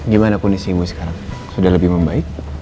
gimanapun isi ibu sekarang sudah lebih membaik